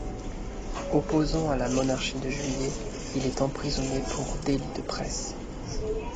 Opposant à la Monarchie de Juillet, il est emprisonné pour délits de presse.